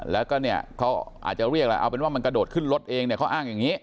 แล้วก็เนี่ยเขาอาจจะเรียกอะไรเอาเป็นว่ามันกระโดดขึ้นรถเองเนี่ยเขาอ้างอย่างนี้